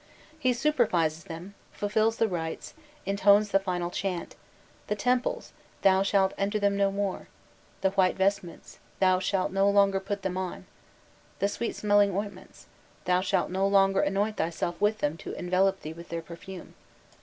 He supervises them, fulfils the rites, intones the final chant: "The temples, thou shalt enter them no more; the white vestments, thou shalt no longer put them on; the sweet smelling ointments, thou shalt no longer anoint thyself with them to envelop thee with their perfume.